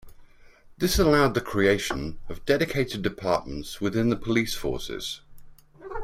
This allowed the creation of dedicated departments within the police forces.